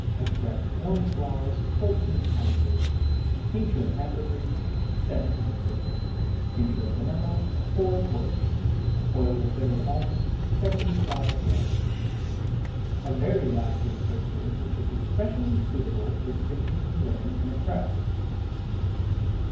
Extract of orange flower 14 oz. Tincture of ambergris 7 oz. Tincture of vanilla 4 qts. Oil of bitter almond 75 grains. A very lasting perfume which is especially suitable for scenting the linen in a press.